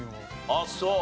あっそう。